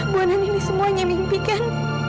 mohonan ini semuanya mimpi kan